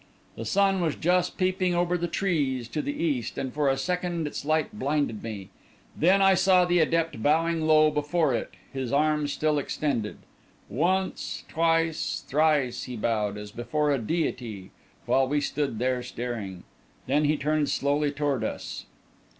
The sun was just peeping over the trees to the east, and for a second its light blinded me. Then I saw the adept bowing low before it, his arms still extended. Once, twice, thrice he bowed, as before a deity, while we stood there staring. Then he turned slowly toward us.